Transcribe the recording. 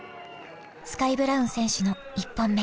スカイ・ブラウン選手の１本目。